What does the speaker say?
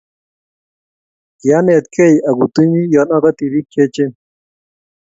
kianetgei akutunyii yon ogotii bik cheechen